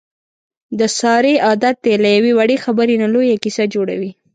د سارې عادت دی له یوې وړې خبرې نه لویه کیسه جوړوي.